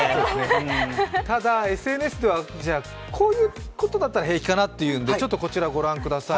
ただＳＮＳではこういうことだったら平気かなということでちょっとこちらをご覧ください。